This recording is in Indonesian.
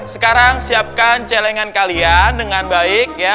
sekarang siapkan celengan kalian dengan baik